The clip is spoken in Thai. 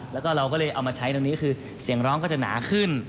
แล้วก็เราก็เลยเอามาใช้ตรงนี้คือเสียงร้องก็จะหนาขึ้น